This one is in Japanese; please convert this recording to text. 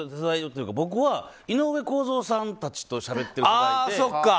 僕は、井上公造さんたちとしゃべってる時代で。